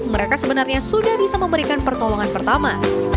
mereka sebenarnya sudah bisa memberikan pertolongan pertama